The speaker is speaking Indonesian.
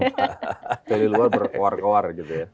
dari luar berkuar kuar gitu ya